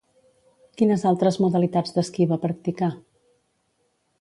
Quines altres modalitats d'esquí va practicar?